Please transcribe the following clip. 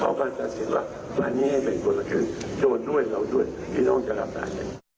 เขาก็ตัดสินว่าบ้านนี้ให้เป็นคนละครึ่งโจรด้วยเราด้วยพี่น้องจะรับร้าน